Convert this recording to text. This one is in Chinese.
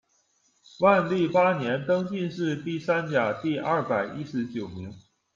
万历八年，登进士第三甲第二百一十九名。